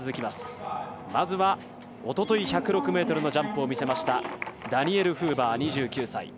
まずは、おととい１０６ｍのジャンプを見せましたダニエル・フーバー、２９歳。